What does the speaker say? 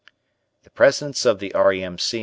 The presence of the R.A.M.C.